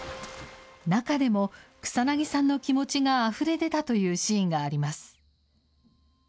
中でも、草なぎさんの気持ちがあふれ出たというシーンがあり